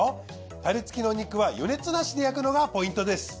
タレ付きのお肉は余熱なしで焼くのがポイントです。